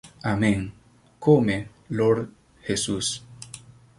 Amen: come, Lord Jesus.